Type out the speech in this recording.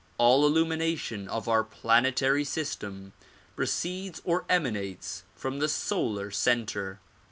All illumination of our planetary system proceeds or emanates from the solar center.